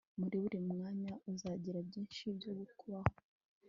muri buri mwanya uzagira byinshi byo kubaho